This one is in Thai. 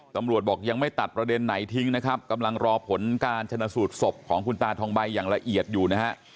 บอกยังไม่ตัดประเด็นไหนทิ้งนะครับกำลังรอผลการชนะสูตรศพของคุณตาทองใบอย่างละเอียดอยู่นะฮะ